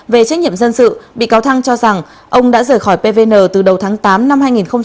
về trách nhiệm dân sự bị cáo thăng cho rằng ông đã rời khỏi pvn từ đầu tháng tám năm hai nghìn một mươi chín